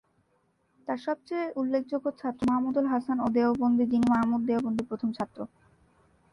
তার সবচেয়ে উল্লেখযোগ্য ছাত্র মাহমুদুল হাসান দেওবন্দি, যিনি মাহমুদ দেওবন্দির প্রথম ছাত্র।